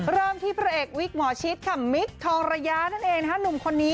เริ่มที่พระเอกวิกหมอชิตค่ะมิคทองระยะนั่นเองนะคะหนุ่มคนนี้